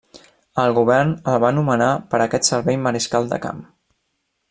El govern el va nomenar per aquest servei mariscal de camp.